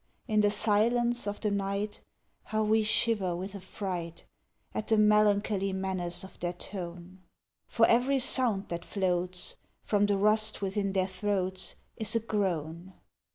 In the silence of the night, How we shiver with affright At the melancholy menace of their tone! For every sound that floats From the rust within their throats Is a groan.